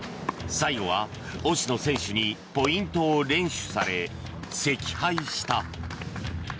最後は押野選手にポイントを連取され惜敗した。